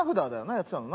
やってたのな？